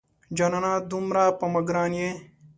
جانانه دومره په ما ګران یې